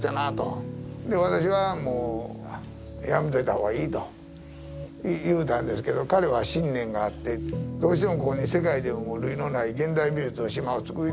で私はもうやめといた方がいいと言うたんですけど彼は信念があってどうしてもここに世界でも類のない現代美術の島をつくりたいと。